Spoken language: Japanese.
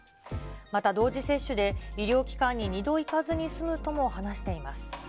また同時接種で医療機関に２度行かずに済むとも話しています。